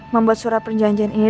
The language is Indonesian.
membuat surat perjanjian ini